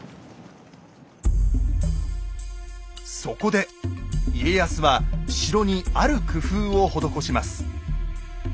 そこで家康は城にある工夫を施します。